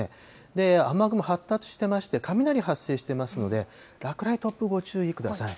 で、雨雲、発達してまして、雷発生してますので、落雷、突風、ご注意ください。